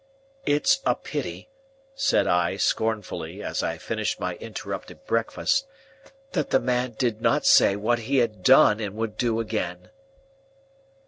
'" "It's pity," said I, scornfully, as I finished my interrupted breakfast, "that the man did not say what he had done and would do again."